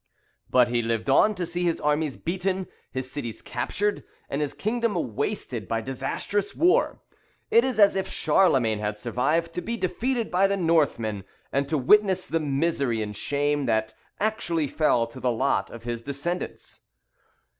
But he lived on to see his armies beaten, his cities captured, and his kingdom wasted by disastrous war. It is as if Charlemagne had survived to be defeated by the Northmen, and to witness the misery and shame that actually fell to the lot of his descendants.